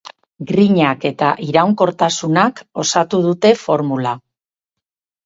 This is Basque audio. Grinak eta iraunkortasunak osatu dute formula.